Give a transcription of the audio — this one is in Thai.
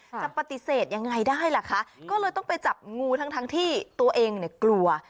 จะปฏิเสธยังไงได้ล่ะคะก็เลยต้องไปจับงูทั้งที่ตัวเองเนี่ยกลัว